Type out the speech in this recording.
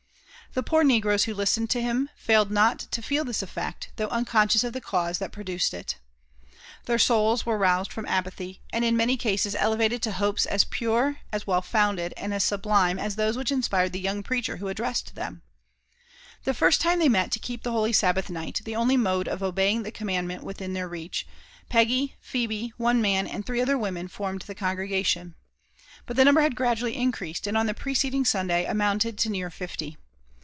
I'he ,poor negroes who Jiisleiied to Jbim iailed not to feel this €iffect, ^though vncooscioiis of ibe 'Caupe 4b«t jtft)duced it. Their souls were xaused from Jipalhy, and In nway oaaes .elevated to hopes af pure, as w^H founded, and as^siddime ^ those which inspired the ypong preacber wiu>addi»89ed Xhem. The first ttme they met !to ieep holy 4he Sabbath night, th» oDly mode of obeying the commandmeDl wUbin tbek reacb^ Pcjggyj, Phebe, fioe man, and ilut^e other women, formed ibe icongr^galion; bul th^ number bad gradually increased, and on the {receding Snndaf amounted to near fifty.